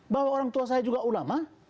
bahwa orang tua saya juga ulama